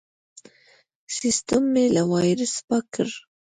سیستم مې له وایرس پاک کړ.